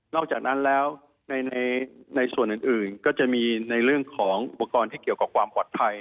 จากนั้นแล้วในส่วนอื่นก็จะมีในเรื่องของอุปกรณ์ที่เกี่ยวกับความปลอดภัย